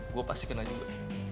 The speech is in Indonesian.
gue pasti kena juga